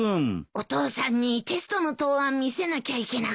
お父さんにテストの答案見せなきゃいけなくて。